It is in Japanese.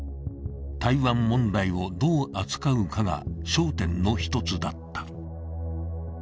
台湾問題をどう扱うかが焦点の一つだった。